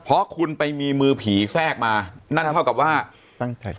เพราะคุณไปมีมือผีแทรกมานั่นเท่ากับว่าตั้งใจ